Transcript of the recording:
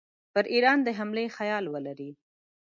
پر ایران د حملې خیال ولري.